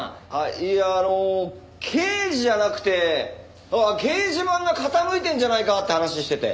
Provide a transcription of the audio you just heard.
いやあの刑事じゃなくて掲示板が傾いてるんじゃないかって話してて。